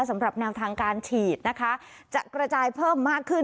สำหรับแนวทางการฉีดนะคะจะกระจายเพิ่มมากขึ้น